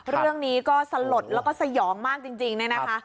เรื่องนี้ก็สลดแล้วก็สยองมากจริงเนี่ยนะคะ